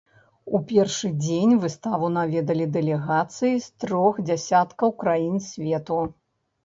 У першы дзень выставу наведалі дэлегацыі з трох дзясяткаў краін свету.